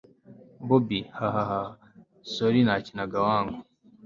bobi haha! sorry nakinaga wangu